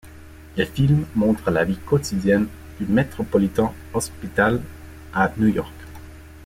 Le film montre la vie quotidienne du Metropolitan Hospital à New York.